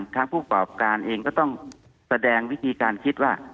ผู้กรอบการเองก็ต้องแสดงวิธีการคิดว่า